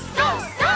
ＧＯ！